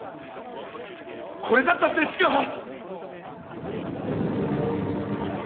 これだったんですか？